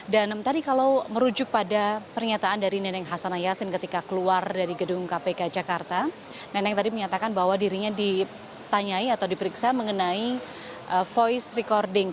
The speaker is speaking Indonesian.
dan tadi kalau merujuk pada pernyataan dari neneng hasan hayasin ketika keluar dari gedung kpk jakarta neneng tadi menyatakan bahwa dirinya ditanyai atau diperiksa mengenai voice recording